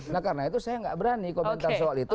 nah karena itu saya nggak berani komentar soal itu